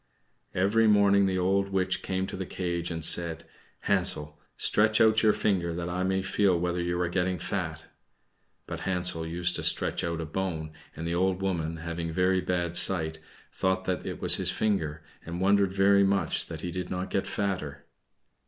Every morning the old witch came to the cage and said, "Hansel, stretch out your finger that I may feel whether you are getting fat." But Hansel used to stretch out a bone, and the old woman, having very bad sight, thought that it was his finger, and wondered very much that he did not get fatter.